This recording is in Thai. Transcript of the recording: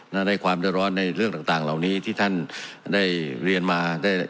ในความร้อนในเรื่องต่างเหล่านี้ที่ท่านได้เรียนมา